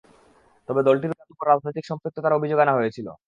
তবে, দলটির উপর রাজনৈতিক সম্পৃক্ততার অভিযোগ আনা হয়েছিল।